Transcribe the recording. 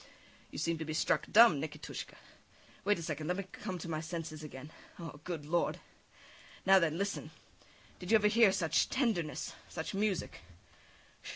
You seem to be struck dumb, Nikitushka. Wait a second, let me come to my senses again. Oh! Good Lord! Now then, listen! Did you ever hear such tenderness, such music?